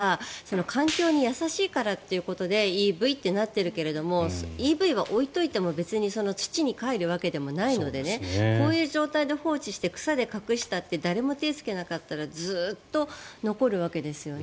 ＥＶってなんでって言ったらガソリン車に比べたら環境に優しいからっていうことでＥＶとなっているけどもＥＶは置いておいても別に土にかえるわけではないのでこういう状態で放置して草で隠したって誰も手をつけなかったらずっと残るわけですね。